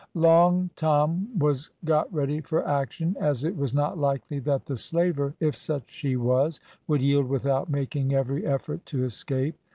Long Tom was got ready for action, as it was not likely that the slaver, if such she was, would yield without making every effort to escape.